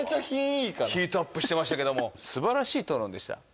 ヒートアップしてましたけども素晴らしい討論でした